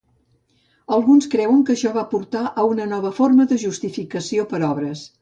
Alguns creuen que això va portar a una nova forma de justificació per obres.